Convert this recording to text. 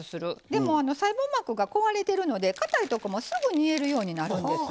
でも細胞膜が壊れてるのでかたいとこもすぐ煮えるようになるんです。